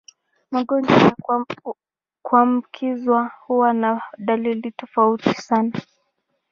Magonjwa ya kuambukizwa huwa na dalili tofauti sana.